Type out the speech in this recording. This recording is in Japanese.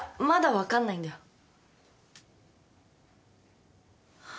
まだ分かんないんだよ。